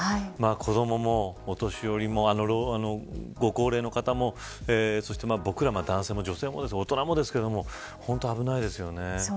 子どももお年寄りもご高齢の方もそして僕ら男性も女性もですが、大人もですがそうですよね。